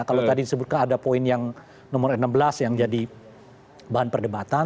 kalau tadi disebutkan